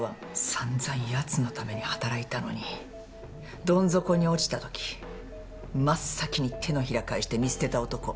さんざんやつのために働いたのにどん底に落ちたとき真っ先に手のひら返して見捨てた男。